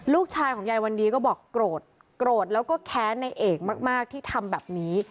ลูกชายของยายวันดีก็บอกโกรธโกรธแล้วก็แค้นในเอกมากที่ทำแบบนี้